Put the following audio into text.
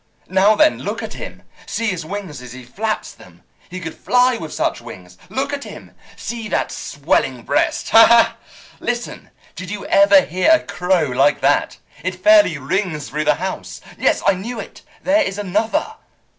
Now, then, look at him. See his wings as he flaps them! He could fly with such wings. Look at him! See that swelling breast! Ha, ha! Listen! Did you ever hear a crow like that? It fairly rings through the house. Yes, I knew it! There is another!"